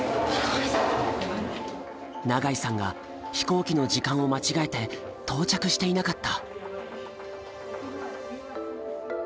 永井さんが飛行機の時間を間違えて到着していなかった。